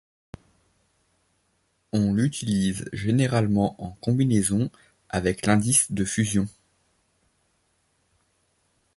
On l'utilise généralement en combinaison avec l'indice de fusion.